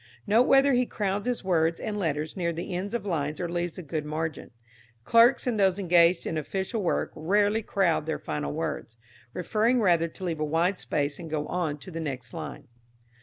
Note whether he crowds his words and letters near the ends of lines or leaves a good margin. Clerks and those engaged in official work rarely crowd their final words, preferring rather to leave a wide space and go on to the next line.